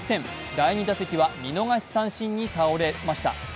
第２打席は見逃し三振に倒れました。